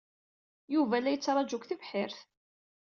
Yuba la yettṛaju deg tebḥirt.